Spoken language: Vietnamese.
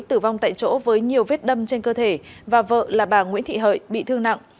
tử vong tại chỗ với nhiều vết đâm trên cơ thể và vợ là bà nguyễn thị hợi bị thương nặng